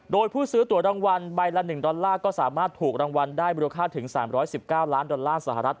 โดยผู้ซื้อตัวรางวัลใบละ๑ดอลลาร์ก็สามารถถูกรางวัลได้มูลค่าถึง๓๑๙ล้านดอลลาร์สหรัฐ